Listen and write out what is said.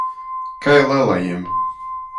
Kai lelajim.